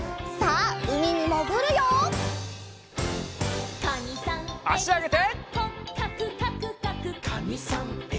あしあげて。